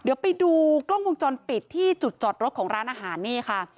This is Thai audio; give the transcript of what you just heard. เดี๋ยวไปดูกล้องวงจรปิดที่จุดจอดรถของร้านอาหารนี่ค่ะ